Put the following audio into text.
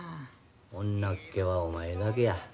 女っ気はお前だけや。